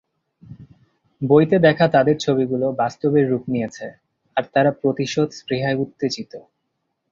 বইতে দেখা তাদের ছবিগুলো বাস্তবের রূপ নিয়েছে, আর তারা প্রতিশোধ স্পৃহায় উত্তেজিত!